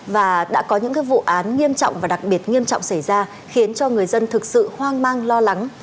và đã có những vụ án nghiêm trọng và đặc biệt nghiêm trọng xảy ra khiến cho người dân thực sự hoang mang lo lắng